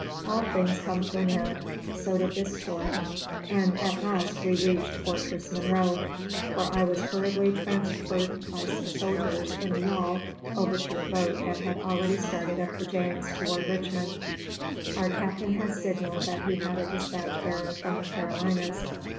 All things come to an end; so did this storm, and at last we reached Fortress Monroe, where I was hurriedly transferred by some sailors in a yawl over to a boat that had already started up the James toward Richmond. Our captain had signaled that he had a dispatch bearer from the Carolinas.